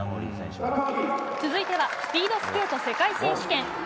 続いてはスピードスケート世界選手権。